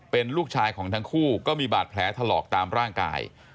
เป็นลูกชายของทั้งคู่ก็มีบาดแผลถลอกตามร่างกาย